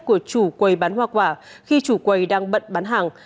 của chủ quầy bán hoa quả khi chủ quầy đang bận bán hàng